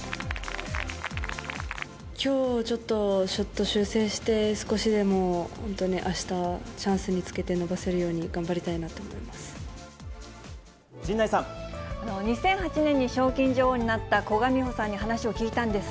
きょう、ちょっとショット修正して、少しでも本当にあした、チャンス見つけて伸ばせるように頑張りたいなと思います。